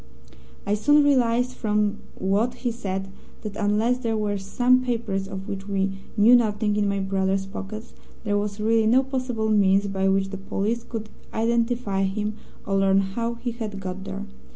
"I soon realized from what he said that unless there were some papers of which we knew nothing in my brother's pockets, there was really no possible means by which the police could identify him or learn how he had got there.